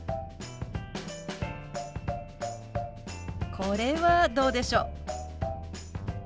これはどうでしょう？